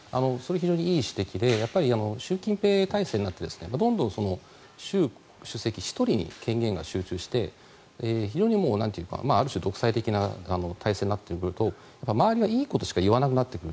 非常にいい指摘で習近平体勢になって、どんどん習主席１人に権限が集中して非常にある種独裁的な体制になっていると周りはいいことしか言わなくなってくる。